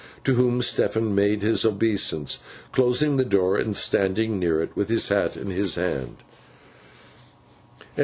To whom Stephen made his obeisance, closing the door and standing near it, with his hat in his hand.